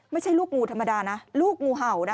ไม่ใช่ลูกงูธรรมดานะลูกงูเห่านะ